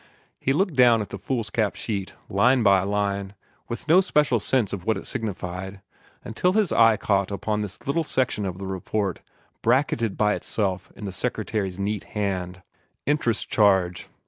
He looked down the foolscap sheet, line by line, with no special sense of what it signified, until his eye caught upon this little section of the report, bracketed by itself in the Secretary's neat hand: INTEREST CHARGE.